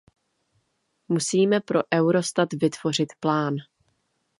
Musíme pro Eurostat vytvořit plán.